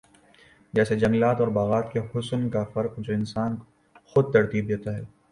جیسے جنگلات اور باغات کے حسن کا فرق جو انسان خود ترتیب دیتا ہے